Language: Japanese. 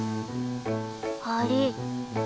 あれ？